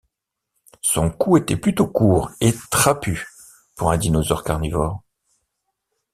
Son cou était plutôt court et trapu pour un dinosaure carnivore.